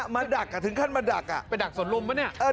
มาดักอ่ะถึงขั้นมาดักอ่ะไปดักสนรมป่ะเนี่ย